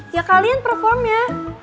ya kalian perform ya